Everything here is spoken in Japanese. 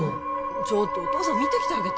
ちょっとお父さん見てきてあげて・